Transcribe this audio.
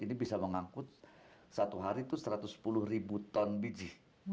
ini bisa mengangkut satu hari itu satu ratus sepuluh ribu ton biji